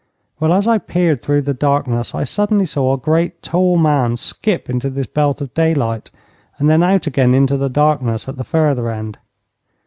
Well, as I peered through the darkness, I suddenly saw a great, tall man skip into this belt of daylight, and then out again into the darkness at the further end.